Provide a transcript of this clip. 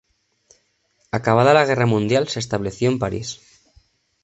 Acabada la guerra mundial se estableció en París.